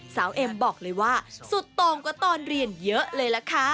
เอ็มบอกเลยว่าสุดตรงกว่าตอนเรียนเยอะเลยล่ะค่ะ